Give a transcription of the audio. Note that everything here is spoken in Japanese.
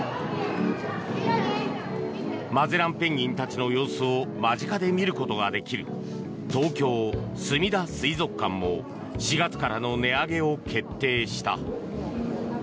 マゼランペンギンたちの様子を間近で見ることができる東京・すみだ水族館も４月からの値上げを決定した。